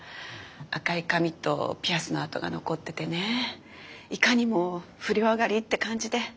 赤い髪とピアスの跡が残っててねいかにも不良上がりって感じで。